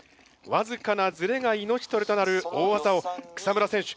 僅かなズレが命取りとなる大技を草村選手